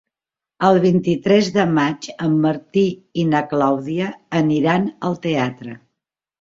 El vint-i-tres de maig en Martí i na Clàudia aniran al teatre.